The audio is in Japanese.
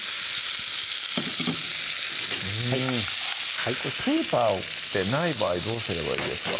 うんケイパーってない場合どうすればいいですか？